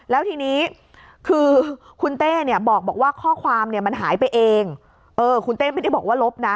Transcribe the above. แล้วทีนี้คือคุณเต้เนี่ยบอกว่าข้อความเนี่ยมันหายไปเองเออคุณเต้ไม่ได้บอกว่าลบนะ